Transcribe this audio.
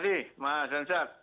terima kasih mas jansat